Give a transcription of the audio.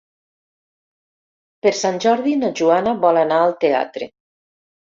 Per Sant Jordi na Joana vol anar al teatre.